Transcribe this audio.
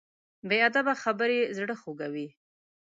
بې ادبه خبرې زړه خوږوي.